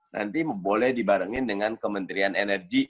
nanti boleh dibarengin dengan kementerian energi